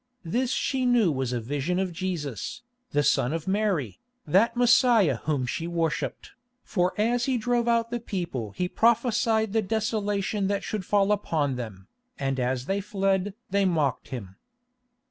This she knew was a vision of Jesus, the Son of Mary, that Messiah Whom she worshipped, for as He drove out the people He prophesied the desolation that should fall upon them, and as they fled they mocked Him.